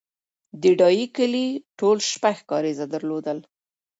د ډایی کلی ټول شپږ کارېزه درلودل